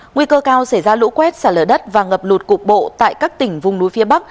nguy cơ cao xảy ra lũ quét xả lở đất và ngập lụt cục bộ tại các tỉnh vùng núi phía bắc